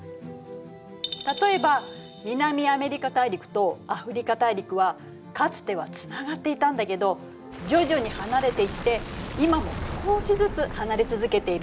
例えば南アメリカ大陸とアフリカ大陸はかつてはつながっていたんだけど徐々に離れていって今も少しずつ離れ続けているの。